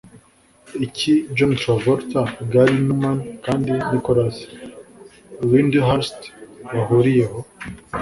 Iki John Travolta, Gary Numan Kandi Nicholas Lyndhurst bahuriyeho?